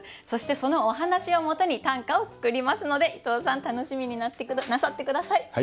そしてそのお話をもとに短歌を作りますので伊藤さん楽しみになさって下さい。